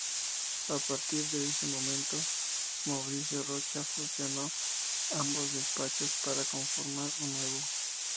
A partir de este momento Mauricio Rocha fusionó ambos despachos para conformar uno nuevo.